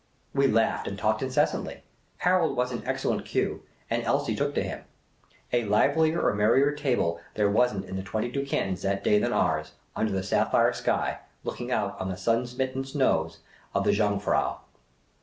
We laughed and talked incessantly. Harold was in excellent cue ; and Elsie took to him. A livelier or merrier table there was n't in the twenty two Cantons that day than ours, under the sapphire sky, looking out on the sun smitten snows of the Jungfrau.